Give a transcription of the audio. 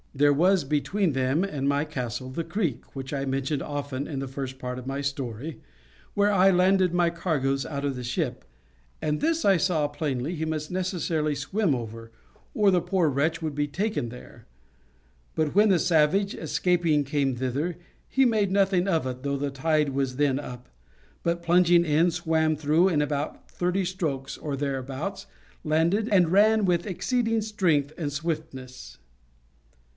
There was between them and my castle the creek, which I mentioned often in the first part of my story, where I landed my cargoes out of the ship, and this I saw plainly he must necessarily swim over, or the poor wretch would be taken there; but when the savage escaping came thither he made nothing of it, though the tide was then up, but, plunging in, swam through in about thirty strokes, or thereabouts, landed, and ran with exceeding strength and swiftness.